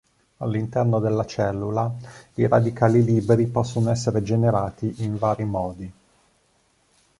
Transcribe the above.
All'interno della cellula i radicali liberi possono essere generati in vari modi.